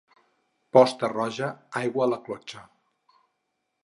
Posta roja, aigua a la clotxa.